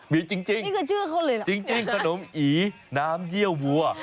มีจริงจริงขนมอีน้ำเยี่ยววัว